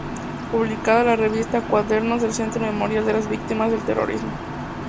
Publica la revista "Cuadernos del Centro Memorial de las Víctimas del Terrorismo".